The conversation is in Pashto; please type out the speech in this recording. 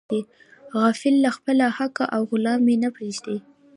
غافل له خپله حقه او غلام مې نه پریږدي.